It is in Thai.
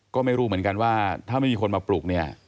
ก็ไม่รู้เหมือนกันว่าถ้าไม่มีคนมาปลุกเนี่ย